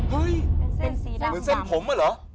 เห้ยเหมือนเส้นผมอะเหรอ